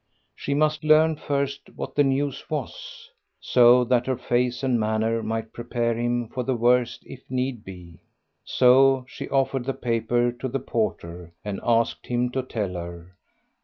She must learn first what the news was, so that her face and manner might prepare him for the worst if need be. So she offered the paper to the porter and asked him to tell her.